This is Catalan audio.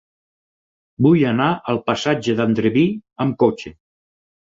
Vull anar al passatge d'Andreví amb cotxe.